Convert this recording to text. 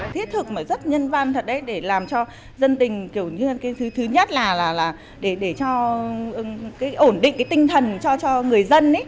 thiết thực mà rất nhân văn thật đấy để làm cho dân tình kiểu như thứ nhất là để cho ổn định cái tinh thần cho người dân